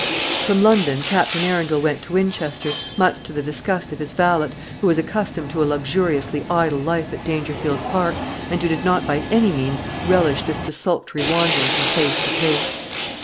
From London Captain Arundel went to Winchester, much to the disgust of his valet, who was accustomed to a luxuriously idle life at Dangerfield Park, and who did not by any means relish this desultory wandering from place to place.